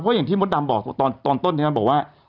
เพราะอย่างที่มุมดำบอกตอนต้นนี้บอกว่า